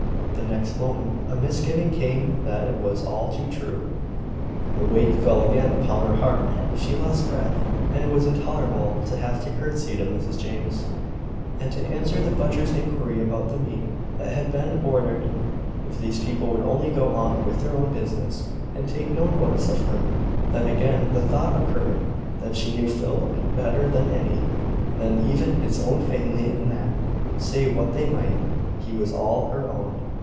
The next moment, a misgiving came that it was all too true; the weight fell again upon her heart, she lost breath, and it was intolerable to have to curtesy to Mrs James, and to answer the butcher's inquiry about the meat that had been ordered. If these people would only go on with their own business, and take no notice of her! Then, again, the thought occurred, that she knew Philip better than any, than even his own family; and that, say what they might, he was all her own.